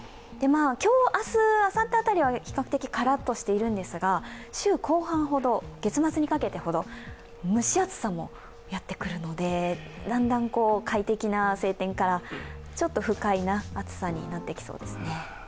今日、明日、あさってあたりは比較的カラッとしているんですが、週後半ほど、月末にかけてほど蒸し暑さもやってくるのでだんだん快適な晴天からちょっと不快な暑さになってきそうですね。